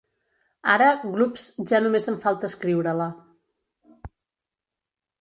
Ara, glups, ja només em falta escriure-la.